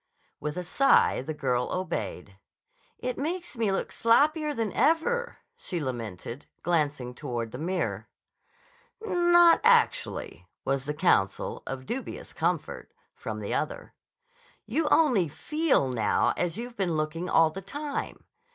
With a sigh, the girl obeyed. "It makes me look sloppier than ever," she lamented, glancing toward the mirror. "Not actually," was the counsel—of dubious comfort—from the other. "You only feel now as you've been looking all the time.